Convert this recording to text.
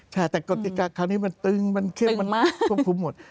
ใช่แต่กฎิกาคราวนี้มันตึงมันเข้มมันควบคุมหมด